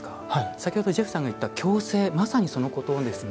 先ほどジェフさんが言った共生まさにそのことですね。